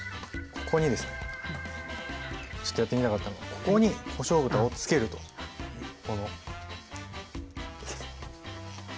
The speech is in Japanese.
ここにですねちょっとやってみたかったのがここにこしょう豚をつけるとこの。